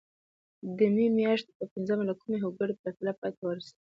د مې میاشتې پر پینځمه له کومې هوکړې پرته پای ته ورسېده.